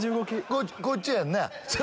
こっちやんな。